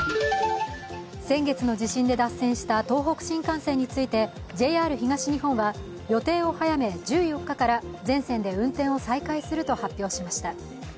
先月の地震で脱線した東北新幹線についてＪＲ東日本は予定を早め１４日から全線で運転を再開すると発表しました。